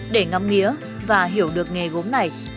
để ngắm nghĩa và hiểu được nghề gốm này